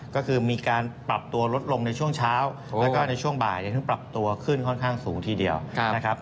ก็คือมีการปรับตัวลดลงในช่วงเช้าแล้วก็ในช่วงบ่ายถึงปรับตัวขึ้นค่อนข้างสูงทีเดียวนะครับ